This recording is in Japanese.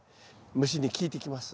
虫に効いてきます。